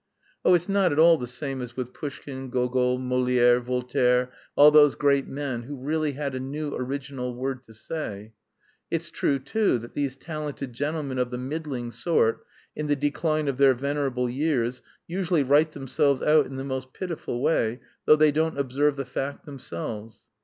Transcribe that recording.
Oh, it's not at all the same as with Pushkin, Gogol, Molière, Voltaire, all those great men who really had a new original word to say! It's true, too, that these talented gentlemen of the middling sort in the decline of their venerable years usually write themselves out in the most pitiful way, though they don't observe the fact themselves.